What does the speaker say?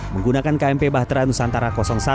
menggunakan kmp bahtera nusantara satu